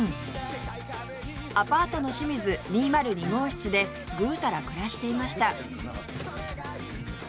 アパートの清水２０２号室でグータラ暮らしていました